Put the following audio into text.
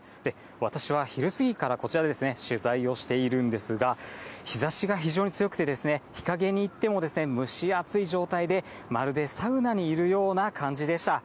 私は昼過ぎからこちらで取材をしているんですが、日ざしが非常に強くて、日陰に行っても蒸し暑い状態で、まるでサウナにいるような感じでした。